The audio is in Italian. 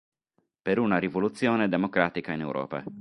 Per una rivoluzione democratica in Europa".